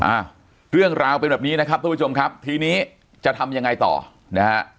อ้าวเรื่องราวเป็นแบบนี้นะครับทุกผู้ชมครับทีนี้จะทำยังไงต่อนะฮะ